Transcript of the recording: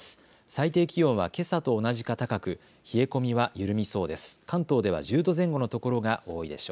最低気温はけさと同じか高く、冷え込みは緩みそうです。